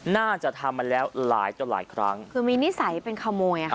น่าจะทำมาแล้วหลายต่อหลายครั้งคือมีนิสัยเป็นขโมยอ่ะค่ะ